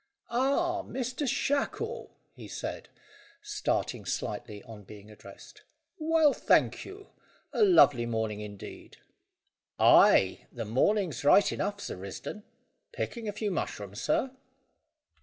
"Ah, Master Shackle," he said, starting slightly on being addressed. "Well, thank you. A lovely morning, indeed." "Ay, the morning's right enough, Sir Risdon. Picking a few mushrooms, sir?"